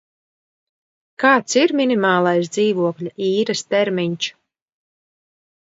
Kāds ir minimālais dzīvokļa īres termiņš?